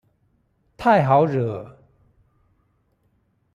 太好惹